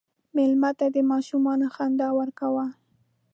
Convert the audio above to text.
مېلمه ته د ماشومان خندا ورکوه.